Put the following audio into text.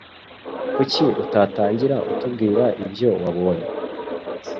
Kuki utatangira utubwira ibyo wabonye?